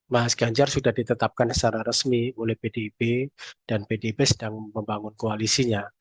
mas ganjar sudah ditetapkan secara resmi oleh pdip dan pdip sedang membangun koalisinya